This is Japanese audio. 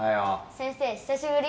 先生久しぶり。